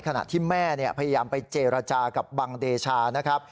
ขณะที่แม่พยายามไปเจรจากับบังเดชานะครับ